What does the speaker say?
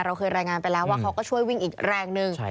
เราเคยรายงานไปแล้วว่าเขาก็ช่วยวิ่งอีกแรงหนึ่ง